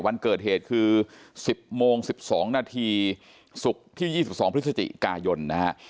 วันเกิดเหตุคือ๑๐โมง๑๒นาทีศุกร์ที่๒๒พฤศจิกายนนะฮะ